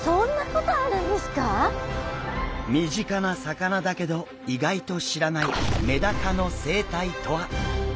身近な魚だけど意外と知らないメダカの生態とは？